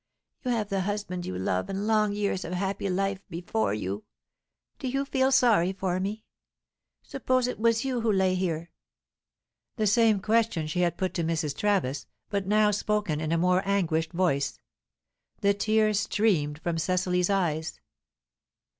You have the husband you love, and long years of happy life before you. Do you feel sorry for me? Suppose it was you who lay here?" The same question she had put to Mrs. Travis, but now spoken in a more anguished voice. The tear's streamed from Cecily's eyes.